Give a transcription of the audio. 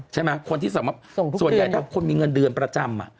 ใช่ไหมคนที่ส่วนใหญ่ถ้าคนมีเงินเดือนประจำ